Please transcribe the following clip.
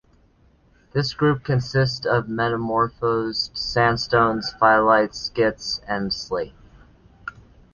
This group consists of metamorphosed sandstones, phyllites, schists, and slate.